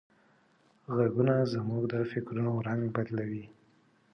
غږونه زموږ د فکرونو رنگ بدلوي.